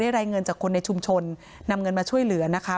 รายเงินจากคนในชุมชนนำเงินมาช่วยเหลือนะคะ